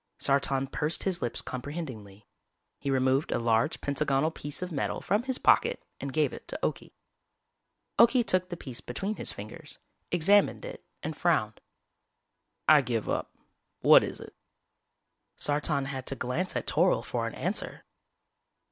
Sartan pursed his lips comprehendingly. He removed a large pentagonal piece of metal from his pocket and gave it to Okie. Okie took the piece between his fingers, examined it and frowned. "I give up. What is it?" Sartan had to glance at Toryl for an answer.